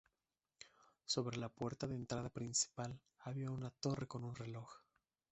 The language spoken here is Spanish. Sobre la puerta de entrada principal había una torre con un reloj.